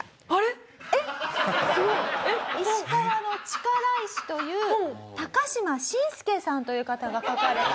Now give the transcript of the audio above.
『石川の力石』という高島愼助さんという方が書かれた。